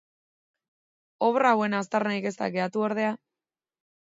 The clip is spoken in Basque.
Obra hauen aztarnarik ez da geratu ordea.